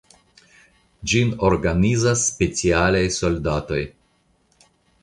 Ĝin organizas specialaj soldatoj.